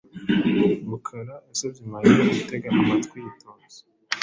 Rukara yasabye Mariya gutega amatwi yitonze.